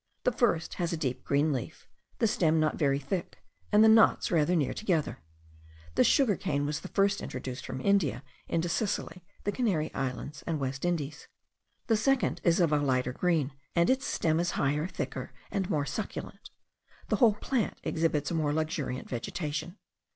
The first has a deep green leaf, the stem not very thick, and the knots rather near together. This sugar cane was the first introduced from India into Sicily, the Canary Islands, and West Indies. The second is of a lighter green; and its stem is higher, thicker, and more succulent. The whole plant exhibits a more luxuriant vegetation.